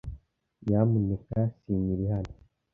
Nyamuneka sinyira hano.